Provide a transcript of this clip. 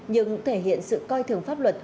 nhưng thể hiện sự coi thường pháp luật